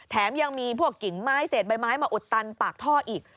ยังมีพวกกิ่งไม้เศษใบไม้มาอุดตันปากท่ออีก